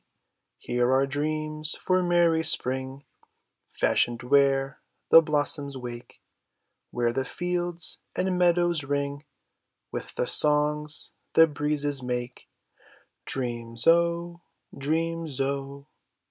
Here are dreams for merry spring, Fashioned where the blossoms wake ; Where the fields and meadows ring With the songs the breezes make ; Dreams, 0! Dreams, 0!